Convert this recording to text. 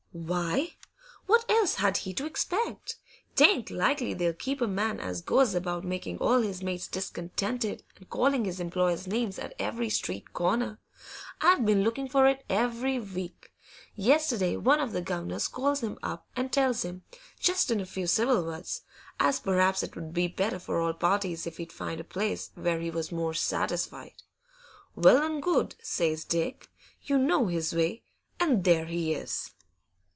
'Why? What else had he to expect? 'Tain't likely they'll keep a man as goes about making all his mates discontented and calling his employers names at every street corner. I've been looking for it every week. Yesterday one of the guvnors calls him up and tells him just in a few civil words as perhaps it 'ud be better for all parties if he'd find a place where he was more satisfied. "Well an' good," says Dick you know his way and there he is.